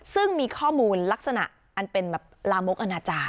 ซึ่งมีข้อมูลลักษณะอันเป็นแบบลามกอนาจารย